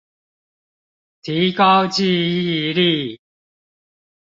提高記憶力